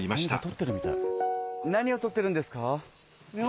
何をとってるんですか？